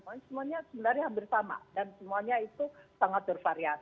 semuanya sebenarnya hampir sama dan semuanya itu sangat bervariasi